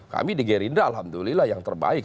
kami di gerindra alhamdulillah yang terbaik